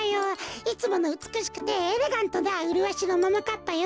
いつものうつくしくてエレガントなうるわしのももかっぱよ。